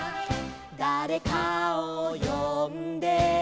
「だれかをよんで」